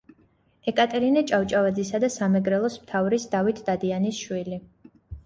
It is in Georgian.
ეკატერინე ჭავჭავაძისა და სამეგრელოს მთავრის დავით დადიანის შვილი.